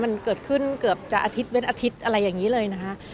มันเกิดขึ้นเกือบจะอาทิตย์เว้นอาทิตย์อะไรอย่างนี้เลยนะคะ